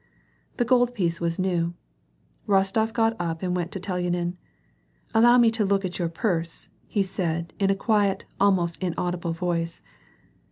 The gold piece was new. Rostof got up and went to Telyanin. " Allow me to look at your purse," said he, in a quiet, almost inaudible voice.